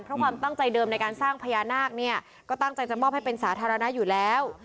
เพราะความตั้งใจเดิมในการสร้างพญานาคเนี่ยก็ตั้งใจจะมอบให้เป็นสาธารณะอยู่แล้ว